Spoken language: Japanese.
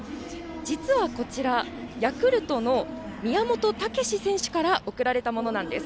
実は、こちらヤクルトの宮本丈選手から送られたものなんです。